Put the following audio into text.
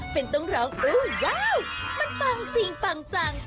เป็นต้องร้องอื้อว้าวมันตรงจริงปังจัง